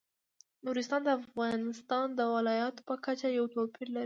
نورستان د افغانستان د ولایاتو په کچه یو توپیر لري.